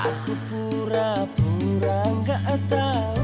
aku pura pura gak tau